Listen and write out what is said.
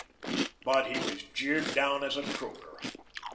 But he was jeered down as a croaker.